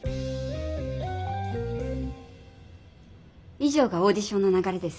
い上がオーディションの流れです。